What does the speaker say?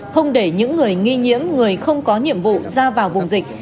không để những người nghi nhiễm người không có nhiệm vụ ra vào vùng dịch